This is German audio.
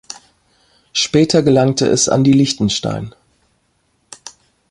Später gelangte es an die Liechtenstein.